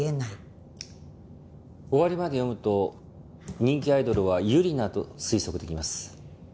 終わりまで読むと人気アイドルはユリナと推測できます。